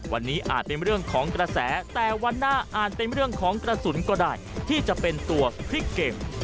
วันนี้อาจเป็นเรื่องของกระแสแต่วันหน้าอาจเป็นเรื่องของกระสุนก็ได้ที่จะเป็นตัวพลิกเกม